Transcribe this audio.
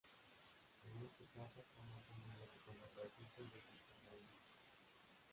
En esta caso toma su nombre del color rojizo de sus terrenos.